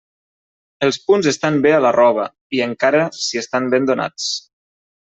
Els punts estan bé a la roba, i encara si estan ben donats.